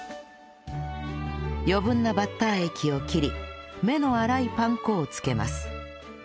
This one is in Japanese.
余分なバッター液を切り目の粗いパン粉を付けます